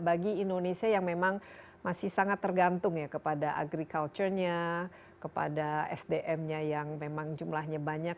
bagi indonesia yang memang masih sangat tergantung ya kepada agriculture nya kepada sdm nya yang memang jumlahnya banyak